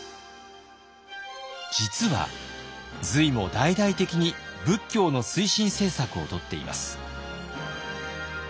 実は隋も大々的に仏教の推進政策をとっています。